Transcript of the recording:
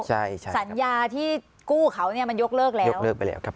ใช่ใช่สัญญาที่กู้เขาเนี่ยมันยกเลิกแล้วยกเลิกไปแล้วครับ